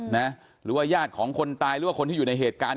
หรือว่าญาติของคนตายหรือว่าคนที่อยู่ในเหตุการณ์